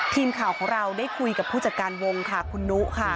ทีมข่าวของเราได้คุยกับผู้จัดการวงค่ะคุณนุค่ะ